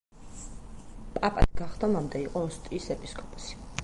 პაპად გახდომამდე იყო ოსტიის ეპისკოპოსი.